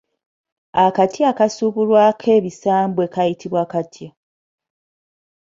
Akati akasubulwako ebinsambwe kayitibwa katya?